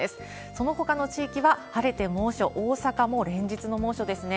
そのほかの地域は晴れて猛暑、大阪も連日の猛暑ですね。